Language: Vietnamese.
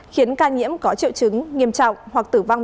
khiến ca nhiễm có triệu chứng nghiêm trọng